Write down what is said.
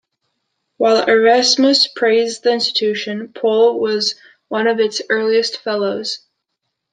While Erasmus praised the institution, Pole was one of its earliest fellows.